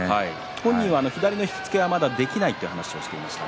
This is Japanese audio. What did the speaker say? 本人は左の引き付けはまだできないという話をしていました。